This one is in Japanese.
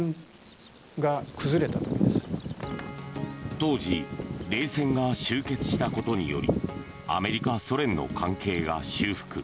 当時、冷戦が終結したことによりアメリカ、ソ連の関係が修復。